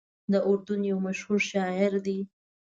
د اردن یو مشهور شاعر دی.